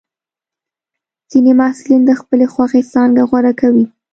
ځینې محصلین د خپلې خوښې څانګه غوره کوي.